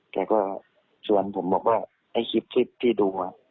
แกก็ชวนผมบอกว่าไอ้คลิปที่ดู